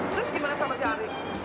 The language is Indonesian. terus gimana sama si ari